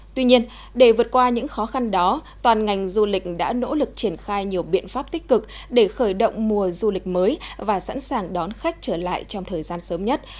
tuy nhiên để vượt qua những khó khăn đó toàn ngành du lịch đã nỗ lực triển khai nhiều biện pháp tích cực để khởi động mùa du lịch mới và sẵn sàng đón khách trở lại trong thời gian sớm nhất